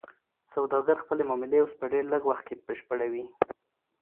سوداګر خپلې معاملې اوس په ډیر لږ وخت کې بشپړوي.